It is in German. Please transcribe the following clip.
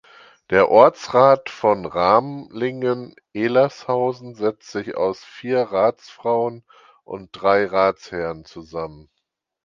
Der Ortsrat von Ramlingen-Ehlershausen setzt sich aus vier Ratsfrauen und drei Ratsherren zusammen.